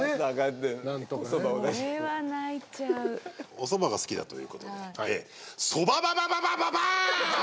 おそばが好きだということでそばばばばばばーん！！